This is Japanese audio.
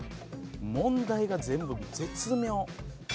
問題が全部絶妙。